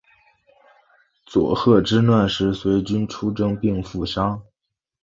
佐贺之乱时随军出征并负伤。